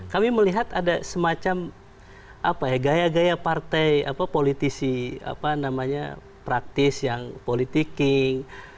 kami melihat ada semacam apa ya gaya gaya partai politisi apa namanya praktis yang politiking